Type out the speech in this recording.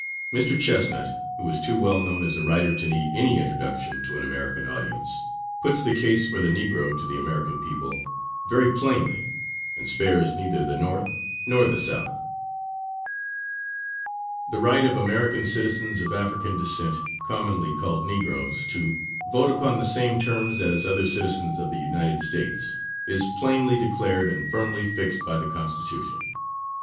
Mr. Chesnutt, who is too well known as a writer to need any introduction to an American audience, puts the case for the Negro to the American people very plainly, and spares neither the North nor the South. [Illustration: CHARLES W. CHESNUTT.] The right of American citizens of African descent, commonly called Negroes, to vote upon the same terms as other citizens of the United States, is plainly declared and firmly fixed by the Constitution.